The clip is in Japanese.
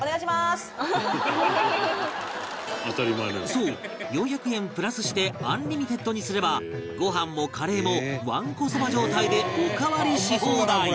そう４００円プラスしてアンリミテッドにすればご飯もカレーもわんこそば状態でおかわりし放題